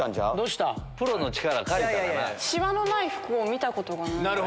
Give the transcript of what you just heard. しわのない服を見たことがない。